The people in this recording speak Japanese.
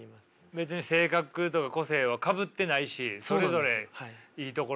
別に性格とか個性はかぶってないしそれぞれいいところがあって。